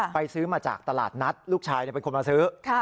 ซื้อมาจากตลาดนัดลูกชายเป็นคนมาซื้อ